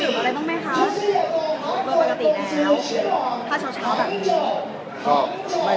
ก่อนปกติแล้วพระเช้าแบบนี้